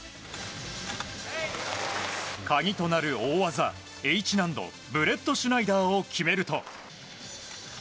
鍵となる大技、Ｈ難度ブレットシュナイダーを決めると。